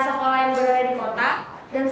sekolah yang berada di daerah yang